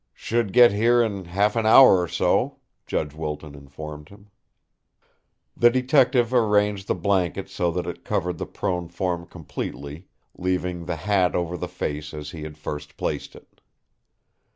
"Should get here in half an hour or so," Judge Wilton informed him. The detective arranged the blanket so that it covered the prone form completely, leaving the hat over the face as he had first placed it.